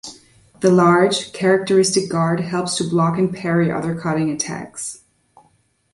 The large, characteristic guard helps to block and parry other cutting attacks.